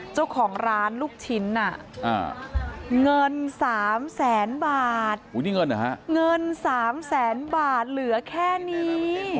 เจ้าของร้านลูกชิ้นน่ะเงิน๓แสนบาทเงิน๓แสนบาทเหลือแค่นี้